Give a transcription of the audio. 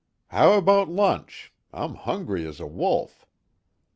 How about lunch? I'm hungry as a wolf."